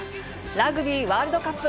ラグビーワールドカップ。